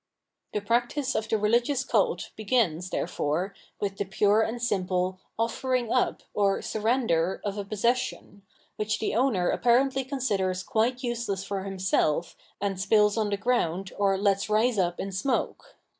The practice of the religious Cult begins, therefore, with the pure and simple " ofiering up " or " sur render " of a possession, which the owner apparently considers quite useless for himself and spi^ on the ground or lets rise up in smoke.